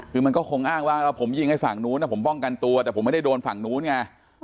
คือมันก็คงอ้างว่าผมยิงไอ้ฝั่งนู้นผมป้องกันตัวแต่ผมไม่ได้โดนฝั่งนู้นไง